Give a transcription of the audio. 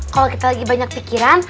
kalau kita lagi banyak pikiran